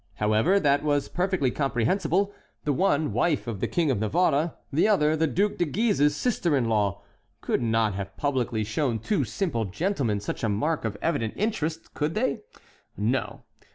However, that was perfectly comprehensible; the one, wife of the King of Navarre, the other, the Duc de Guise's sister in law, could not have publicly shown two simple gentlemen such a mark of evident interest, could they? No!